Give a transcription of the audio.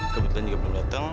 kebetulan juga belum datang